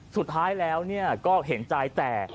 สุดท้ายแล้วก็เห็นใจแต่